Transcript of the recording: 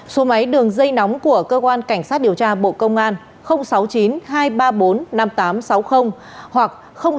số máy đường dây nóng của cơ quan cảnh sát điều tra bộ công an sáu mươi chín hai trăm ba mươi bốn năm nghìn tám trăm sáu mươi hoặc sáu mươi chín hai trăm ba mươi hai một nghìn sáu trăm bảy